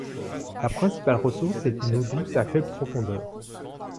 La principale ressource est une eau douce à faible profondeur.